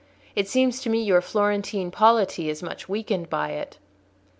It seems to me your Florentine polity is much weakened by it."